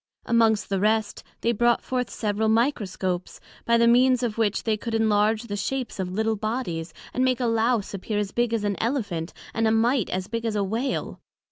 Amongst the rest, they brought forth several Microscopes, by the means of which they could enlarge the shapes of little bodies, and make a Lowse appear as big as an Elephant, and a Mite as big as a Whale.